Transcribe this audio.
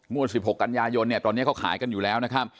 มวดสิบหกกัญญาโยนเนี่ยตอนนี้เขาขายกันอยู่แล้วนะครับ